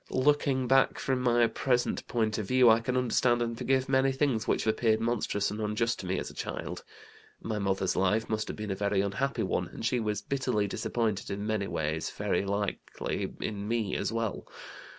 Looking back from my present point of view, I can understand and forgive many things which appeared monstrous and unjust to me as a child. My mother's life must have been a very unhappy one, and she was bitterly disappointed in many ways, very likely in me as well.